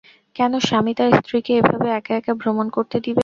কোন স্বামী তার স্ত্রী কে এভাবে একা একা ভ্রমন করতে দিবে?